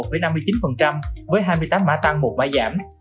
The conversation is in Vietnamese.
với hai mươi tám mã tăng một mã giảm